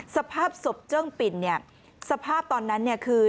สภาพศพเจิ่งปินสภาพตอนนั้นคือ